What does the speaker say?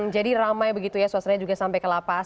jadi ramai begitu ya suasananya juga sampai ke lapas